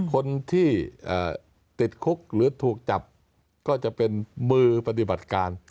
คนที่ติดคุกหรือถูกจับก็จะเป็นมือปฏิบัติการ